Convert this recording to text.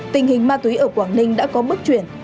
tình hình ma túy ở quảng ninh đã có bước chuyển